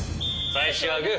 最初はグー。